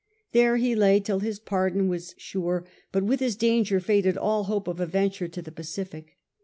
^ There he lay till his pardon was sure, but with his danger faded all hope of a venture to the Pacific.